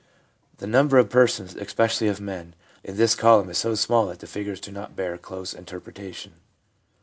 The number of persons, especially of men, in this column is so small that the figures do not bear close in terpretation.